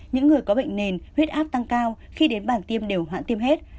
những người có bệnh nền huyết áp tăng cao khi đến bản tiêm đều hoãn tiêm hết